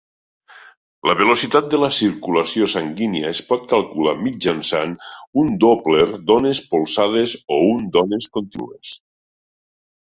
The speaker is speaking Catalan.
La velocitat de la circulació sanguínia es pot calcular mitjançant un Doppler d'ones polsades o un d'ones contínues.